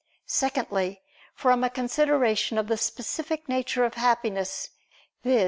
Secondly, from a consideration of the specific nature of Happiness, viz.